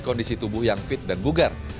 kondisi tubuh yang fit dan bugar